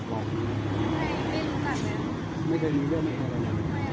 ตอนนี้กำหนังไปคุยของผู้สาวว่ามีคนละตบ